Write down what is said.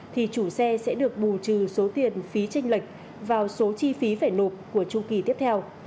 thì chủ xe sẽ được bù trừ số tiền phí tranh lệch vào số chi phí phải nộp của chu kỳ tiếp theo